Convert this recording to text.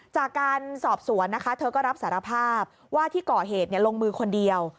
จากการสอบสวนนะคะเธอก็รับสารภาพว่าที่ก่อเหตุลงมือคนเดียว